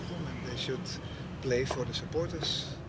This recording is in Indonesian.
dan mereka harus bermain untuk penonton